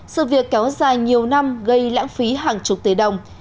sự việc kéo dài nhiều năm gây lãng phí hàng chục tỷ đồng